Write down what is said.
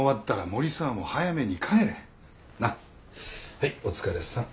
はいお疲れさん。